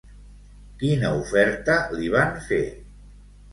Quina oferta li van fer?